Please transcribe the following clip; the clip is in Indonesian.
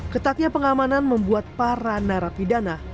ketatnya pengamanan membuat para narapidana